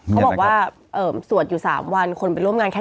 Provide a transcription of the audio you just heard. เขาบอกว่าสวดอยู่๓วันคนไปร่วมงานแค่